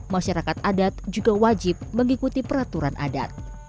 masyarakat adat juga wajib mengikuti peraturan adat